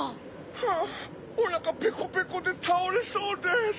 はぁおなかペコペコでたおれそうです。